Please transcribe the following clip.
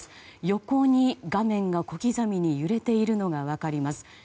横に画面が小刻みに揺れているのが分かります。